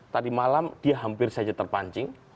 tadi malam dia hampir saja terpancing